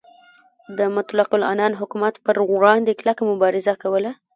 د مطلق العنان حکومت پروړاندې یې کلکه مبارزه کوله.